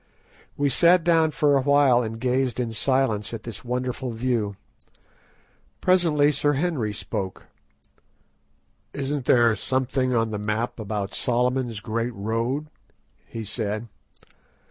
We sat down for a while and gazed in silence at this wonderful view. Presently Sir Henry spoke. "Isn't there something on the map about Solomon's Great Road?" he said.